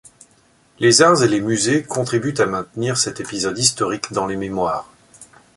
Les arts et les musées contribuent à maintenir cet épisode historique dans les mémoires.